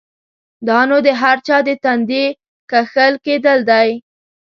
دا نو د هر چا د تندي کښل کېدل دی؛